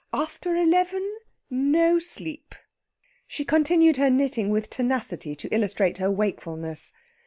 After eleven no sleep!" She continued her knitting with tenacity to illustrate her wakefulness.